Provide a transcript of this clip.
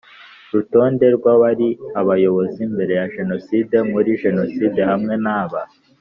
rutonde rw abari abayobozi mbere ya Jenoside no muri Jenoside hamwe na ba